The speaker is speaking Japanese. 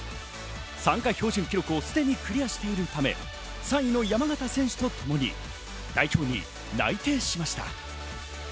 参加標準記録をすでにクリアしているため、３位の山縣選手とともに代表に内定しました。